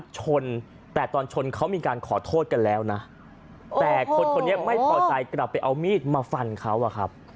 ชนแต่ตอนชนเขามีการขอโทษกันแล้วนะแต่คนคนนี้ไม่พอใจกลับไปเอามีดมาฟันเขาอะครับ